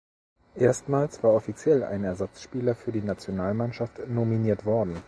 Erstmals war offiziell ein Ersatzspieler für die Nationalmannschaft nominiert worden.